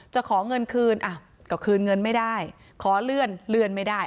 จะขอเงินคืนก็คืนเงินไม่ได้ขอเลื่อนเลื่อนไม่ได้